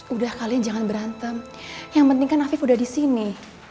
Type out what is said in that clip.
udah kalian jangan berantem yang penting kan afif udah di sini